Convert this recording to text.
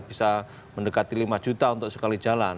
bisa mendekati lima juta untuk sekali jalan